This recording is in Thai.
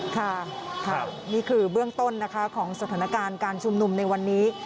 ค่ะนี่คือเบื้องต้นนะคะของสถานการณ์การชุมนุมในวันนี้